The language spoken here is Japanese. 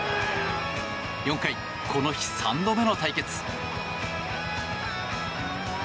４回、この日３度目の対決。